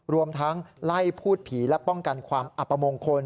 รวมทั้งไล่พูดผีและป้องกันความอัปมงคล